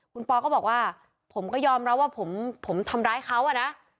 คุณปอก็บอกว่าผมก็ยอมรับว่าผมทำร้ายเขาอะนะ